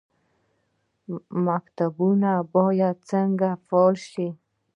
مکتبونه باید څنګه فعال شي؟